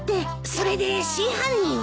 それで真犯人は？